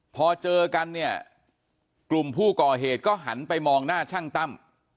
พอเจอกันเนี่ยกลุ่มผู้ก่อเหตุก็หันไปมองหน้าช่างตั้ม